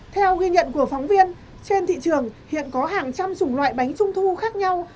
theo ghi nhận của phóng viên trên thị trường hiện có hàng trăm chủng loại bánh trung thu khác nhau